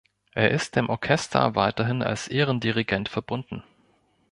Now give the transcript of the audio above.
Er ist dem Orchester weiterhin als Ehrendirigent verbunden.